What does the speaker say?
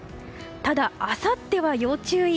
ただ、あさっては要注意。